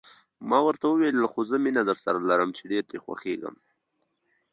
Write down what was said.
ما ورته وویل: خو زه مینه درسره لرم، چې ډېر دې خوښېږم.